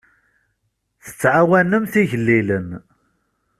Ttɛawanent igellilen.